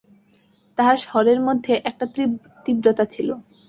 তাহার স্বরের মধ্যে একটা তীব্রতা ছিল।